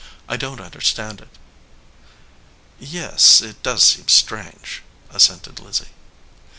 I don t understand it." "Yes, it does seem strange," assented Lizzie.